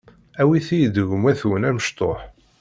awit-iyi-d gma-twen amecṭuḥ.